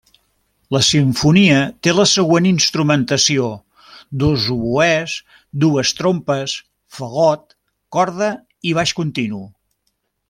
La simfonia té la següent instrumentació: dos oboès, dues trompes, fagot, corda i baix continu.